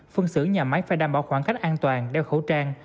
phân xử nhà máy phải đảm bảo khoảng cách an toàn đeo khẩu trang